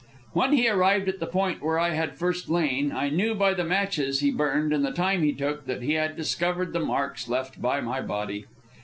When he arrived at the point where I had first lain, I knew, by the matches he burned and the time he took, that he had discovered the marks left by my body.